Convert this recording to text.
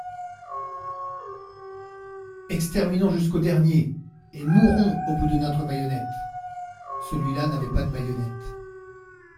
Exterminons jusqu'au dernier et mourons au bout de notre bayonnette ! Celui-là n'avait pas de bayonnette.